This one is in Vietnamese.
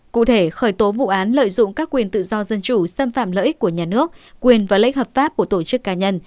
cụ thể khởi tố vụ án lợi dụng các quyền tự do dân chủ xâm phạm lợi ích của nhà nước quyền và lợi ích hợp pháp của tổ chức cá nhân